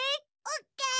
オッケー。